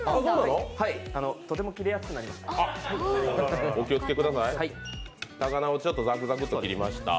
とても切れやすくなりました。